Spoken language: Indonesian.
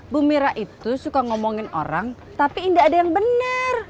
bu mira itu suka ngomongin orang tapi tidak ada yang benar